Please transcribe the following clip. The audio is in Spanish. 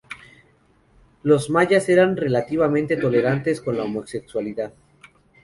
Los mayas eran relativamente tolerantes con la homosexualidad.